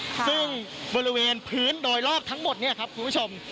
ซึ่งบริเวณพื้นโดยรอบทั้งหมดเนี่ยครับคุณผู้ชม